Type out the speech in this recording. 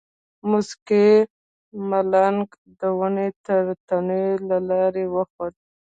موسکی منګلی د ونې د تنې له لارې وخوت.